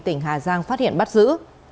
tỉnh hà giang phát hiện bắt giữ